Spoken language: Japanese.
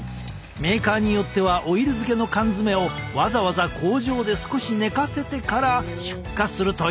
メーカーによってはオイル漬けの缶詰をわざわざ工場で少し寝かせてから出荷するという。